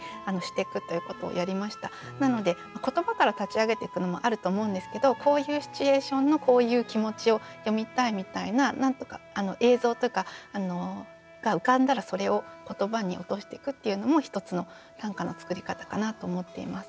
なので言葉から立ち上げていくのもあると思うんですけどこういうシチュエーションのこういう気持ちを詠みたいみたいな映像とかが浮かんだらそれを言葉に落としてくっていうのも一つの短歌の作り方かなと思っています。